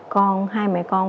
con hai mẹ con